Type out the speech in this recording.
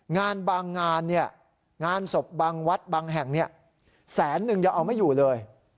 งานบางงานเนี่ยงานศพบางวัดบางแห่งแสนนึงยังเอาไม่อยู่เลย